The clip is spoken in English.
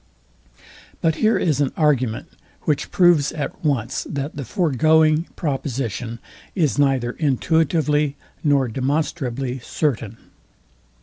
But here is an argument, which proves at once, that the foregoing proposition is neither intuitively nor demonstrably certain.